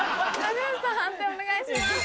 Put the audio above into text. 判定お願いします。